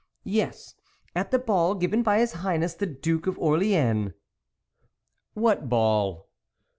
" Yes, at the ball given by his Highness the Duke of Orleans." " What ball